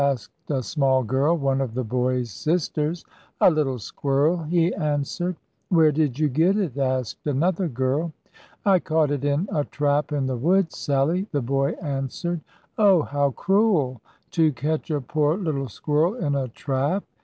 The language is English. asked a small girl, one of the boy's sisters. "A little squirrel," he answered. "Where did you get it?" asked another girl. "I caught it in a trap in the woods, Sallie," the boy answered. "Oh, how cruel, to catch a poor little squirrel in a trap!"